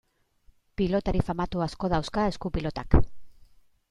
Pilotari famatu asko dauzka esku-pilotak.